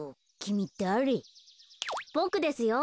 ボクですよ。